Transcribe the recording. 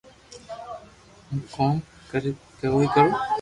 ھون ڪوم ڪوئي ڪرو